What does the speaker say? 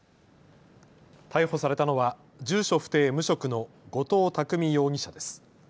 逮捕されたのは住所不定、無職の後藤巧容疑者です。